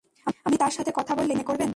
আমি তার সাথে কথা বললে কিছু মনে করবেন?